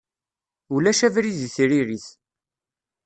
Ulac abrid i tririt.